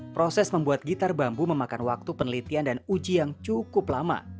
proses membuat gitar bambu memakan waktu penelitian dan uji yang cukup lama